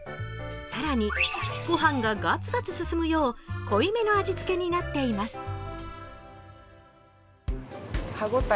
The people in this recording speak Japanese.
更に、御飯がガツガツ進むよう濃いめの味付けになっています。